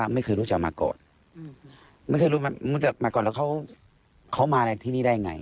ไม่เคยรู้จักมาก่อนไม่เคยรู้มารู้จักมาก่อนแล้วเขามาที่นี่ได้ยังไง